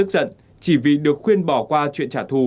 không kiềm chế được cơn tức giận chỉ vì được khuyên bỏ qua chuyện trả thù